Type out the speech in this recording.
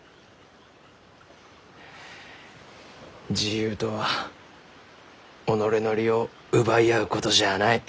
自由とは己の利を奪い合うことじゃあない。